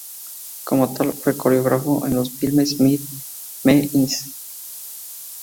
Como tal, fue coreógrafo en los filmes "Meet Me in St.